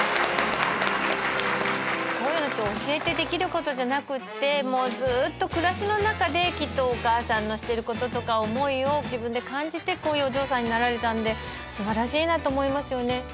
こういうのって教えてできることじゃなくってもうずっと暮らしの中できっとお母さんのしてることとか思いを自分で感じてこういうお嬢さんになられたんで素晴らしいなと思いますよね。